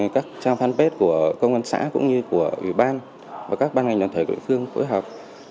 các trang fanpage của công an xã cũng như của ủy ban và các ban ngành đoàn thể của địa phương phối hợp